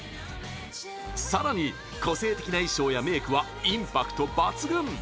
さらに、個性的な衣装やメークはインパクト抜群！